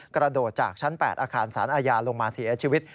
กระโดดจากชั้น๘อาคารสารอาญาลงมาเสียชีวิต